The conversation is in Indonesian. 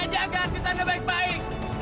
anda jaga hati saya baik baik